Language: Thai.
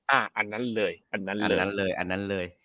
อันนั้นเลย